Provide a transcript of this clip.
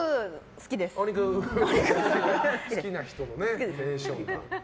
好きな人のテンション感だ。